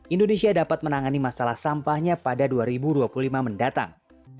indonesia dapat menangani masalah sampahnya pada dua ribu dua puluh lima mendatang